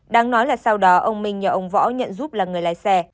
đáng nói là sau đó ông minh nhờ ông võ nhận giúp là người lái xe